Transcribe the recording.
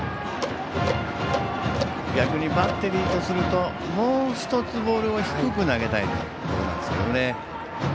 逆にバッテリーとするともう１つボールを低く投げたいですね。